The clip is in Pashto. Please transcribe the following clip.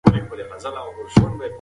وارث په خوشحالۍ سره خپله ښکار راوړ.